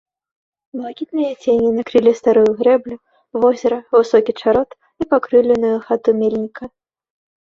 Блакітныя цені накрылі старую грэблю, возера, высокі чарот і пакрыўленую хату мельніка.